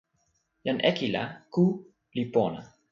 jan Eki la ku li pona.